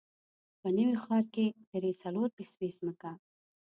په نوي ښار کې درې، څلور بسوې ځمکه.